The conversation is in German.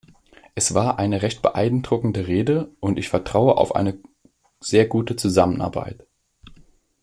Es war eine recht beeindruckende Rede, und ich vertraue auf eine sehr gute Zusammenarbeit.